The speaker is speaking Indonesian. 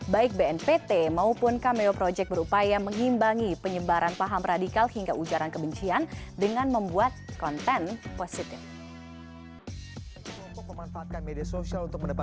baik bnpt maupun cameo project berupaya mengimbangi penyebaran paham radikal hingga ujaran kebencian dengan membuat konten positif